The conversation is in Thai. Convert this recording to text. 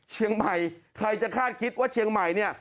เชียงใหม่ใครจะคาดคิดว่าเชียงใหม่เนี่ย